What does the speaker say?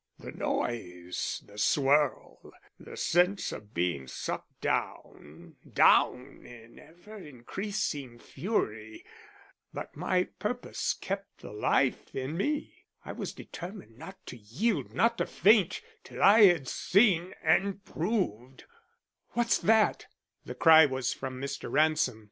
The noise the swirl the sense of being sucked down down in ever increasing fury but my purpose kept the life in me. I was determined not to yield, not to faint, till I had seen and proved " "What's that?" The cry was from Mr. Ransom.